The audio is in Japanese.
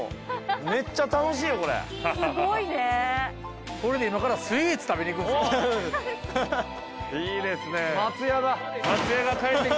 めっちゃ楽しいよこれすごいねこれで今からスイーツ食べに行くんですよいいですね